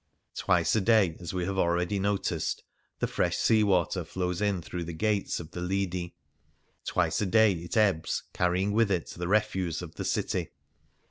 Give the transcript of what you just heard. Twice a day, as we have already noticed, the fresh sea water flows in through the " Gates "' of the Lidi : twice a day it ebbs, carrying with it the refuse of the city.